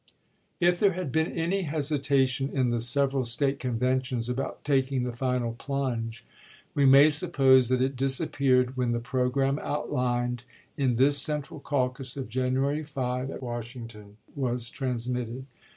If there had been any hesitation in the several State conventions about taking the final plnnge, we may suppose that it disappeared when the pro gramme outlined in this central caucus of January 5, at Washington, was transmitted.